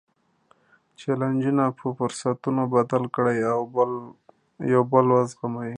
جیلنجونه په فرصتونو بدل کړئ، یو بل وزغمئ.